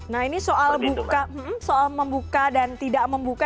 nah ini soal membuka dan tidak membuka